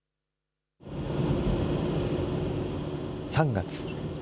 ３月。